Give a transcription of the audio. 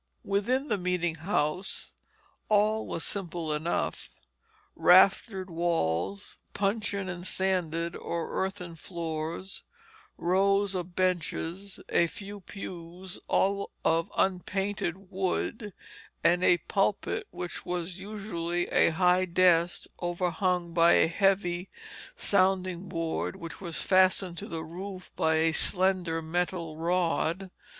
Within the meeting house all was simple enough: raftered walls, puncheon and sanded or earthen floors, rows of benches, a few pews, all of unpainted wood, and a pulpit which was usually a high desk overhung by a heavy sounding board, which was fastened to the roof by a slender metal rod.